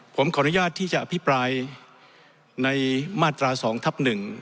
ผมขออนุญาตที่จะอภิปรายในมาตรา๒ทับ๑